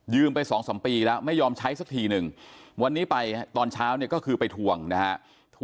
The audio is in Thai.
ไปสองสามปีแล้วไม่ยอมใช้สักทีหนึ่งวันนี้ไปตอนเช้าเนี่ยก็คือไปทวงนะฮะ